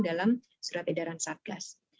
dalam surat edaran satgas